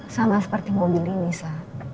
sama seperti mobil ini sa